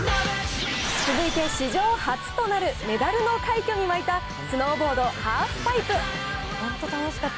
続いて史上初となるメダルの快挙に沸いたスノーボードハーフパイプ。